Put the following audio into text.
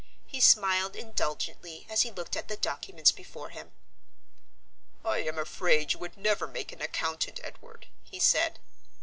He smiled indulgently as he looked at the documents before him. "I am afraid you would never make an accountant, Edward," he said.